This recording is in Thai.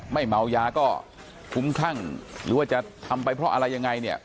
ไม่เมายาก็คุ้มคลั่งหรือว่าจะทำไปเพราะอะไรยังไงเนี่ย